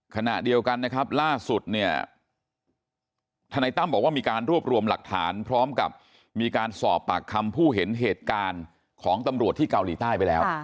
ขณะเดียวกันนะครับล่าสุดเนี่ยทนายตั้มบอกว่ามีการรวบรวมหลักฐานพร้อมกับมีการสอบปากคำผู้เห็นเหตุการณ์ของตำรวจที่เกาหลีใต้ไปแล้ว